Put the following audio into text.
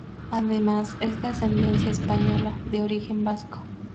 Además es de ascendencia española, de origen vasco.